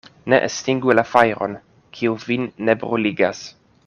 Ne estingu la fajron, kiu vin ne bruligas.